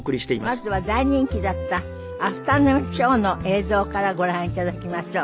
まずは大人気だった『アフタヌーンショー』の映像からご覧頂きましょう。